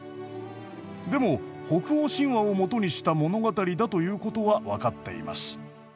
でも「北欧神話」を基にした物語だということは分かっています。